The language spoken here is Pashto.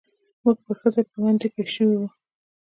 موږ پر ښه ځای باندې پېښ شوي و.